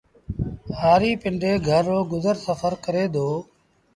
هآريٚ پندري گھر رو گزر سڦر ڪري دو